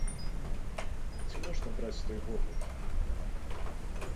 Ці можна браць той вопыт?